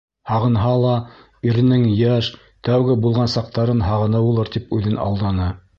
Һағынһа ла, иренең йәш, тәүге булған саҡтарын һағыныуылыр тип үҙен алданы.